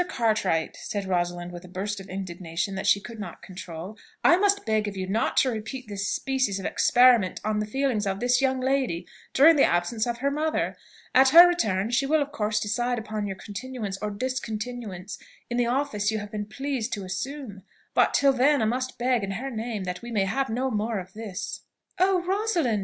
Cartwright," said Rosalind with a burst of indignation that she could not control, "I must beg of you not to repeat this species of experiment on the feelings of this young lady during the absence of her mother. At her return she will of course decide upon your continuance, or discontinuance, in the office you have been pleased to assume; but, till then, I must beg, in her name, that we may have no more of this." "Oh! Rosalind!"